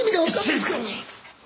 静かに！